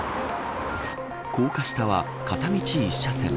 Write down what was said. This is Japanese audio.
高架下は片道１車線。